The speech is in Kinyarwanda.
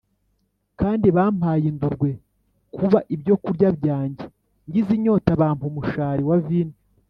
kandi bampaye indurwe kuba ibyokurya byanjye, ngize inyota bampa umushari wa vino